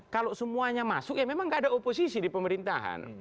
kalau semuanya masuk ya memang gak ada oposisi di pemerintahan